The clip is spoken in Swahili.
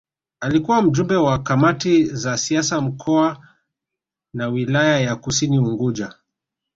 Alikuwa Mjumbe wa Kamati za Siasa Mkoa na Wilaya ya Kusini Unguja